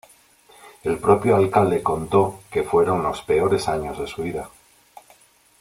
El propio alcalde contó que fueron los peores años de su vida.